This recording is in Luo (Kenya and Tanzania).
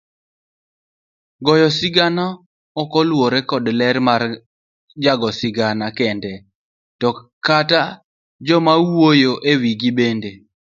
Goyo sigana okluore kod ler mar jago sigana kende, to kata jomaiwuoyo ewigi bende